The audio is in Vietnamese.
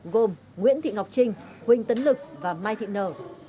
gồm nguyễn thị ngọc trinh huỳnh tấn lực và mai thị nở